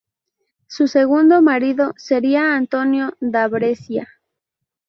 Su segundo marido sería Antonio da Brescia.